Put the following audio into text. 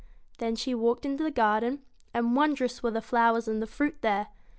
Then she walked in the garden, and wondrous were the flowers and the fruit there.